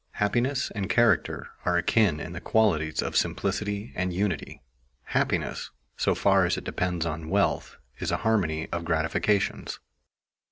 Happiness and character are akin in the qualities of simplicity and unity. Happiness, so far as it depends on wealth, is a harmony of gratifications.